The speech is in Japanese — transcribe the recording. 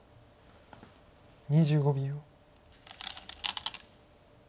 ２５秒。